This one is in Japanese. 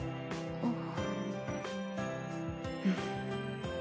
あっ。